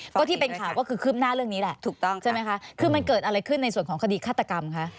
ก็ที่เป็นข่าวก็คือคืบหน้าเรื่องนี้แหละถูกต้องใช่ไหมคะคือมันเกิดอะไรขึ้นในส่วนของคดีฆาตกรรมคะ